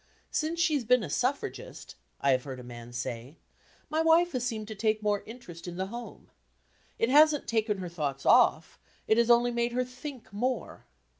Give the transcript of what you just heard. "Since she's been a suffragist," I have heard a man say, "my wife has seemed to take more interest in the home. It hasn't taken her thoughts off; it has only made her think more."